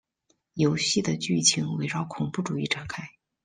游戏的剧情围绕恐怖主义展开。